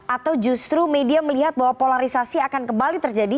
atau justru media melihat bahwa polarisasi akan kembali terjadi